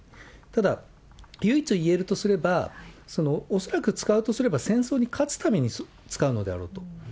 ただ、唯一いえるとすれば、恐らく使うとすれば戦争に勝つために使うのであろうと。